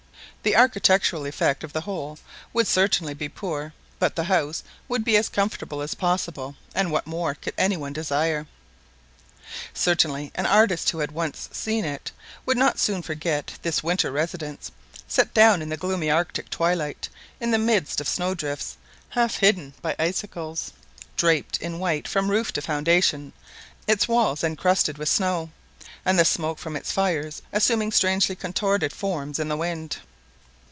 The architectural effect of the whole would certainly be poor; but the house would be as comfortable as possible, and what more could any one desire? Certainly an artist who had once seen it would not soon forget this winter residence, set down in the gloomy Arctic twilight in the midst of snow drifts, half hidden by icicles, draped in white from roof to foundation, its walls encrusted with snow, and the smoke from its fires assuming strangely contorted forms in the wind.